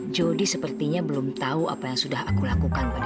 jody sepertinya belum tahu apa yang sudah aku lakukan pada